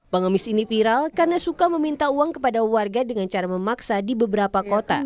pengemis ini viral karena suka meminta uang kepada warga dengan cara memaksa di beberapa kota